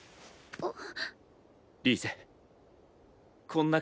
あっ。